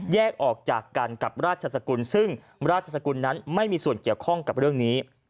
แยกออกจากกันกับราชสกุลซึ่งราชสกุลนั้นไม่มีส่วนเกี่ยวข้องกับเรื่องนี้